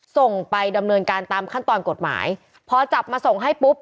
ส่งไปดำเนินการตามขั้นตอนกฎหมายพอจับมาส่งให้ปุ๊บ